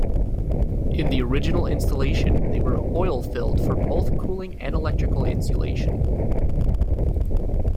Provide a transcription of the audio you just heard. In the original installation they were oil filled for both cooling and electrical insulation.